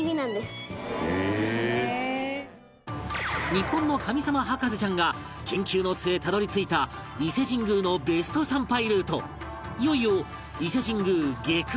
日本の神様博士ちゃんが研究の末たどり着いた伊勢神宮のベスト参拝ルート